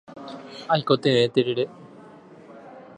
Aikotevẽ terere.